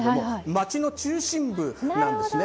街の中心部なんですね。